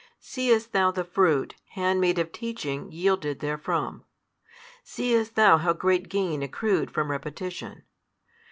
Seest thou the fruit, handmaid of teaching, yielded therefrom? Seest thou how great gain accrued from repetition?